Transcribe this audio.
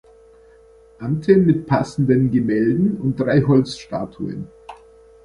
Ante mit passenden Gemälden und drei Holzstatuen.